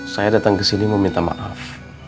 saya datang ke sini meminta maaf